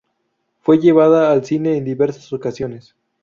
Fue llevada al cine en diversas ocasiones.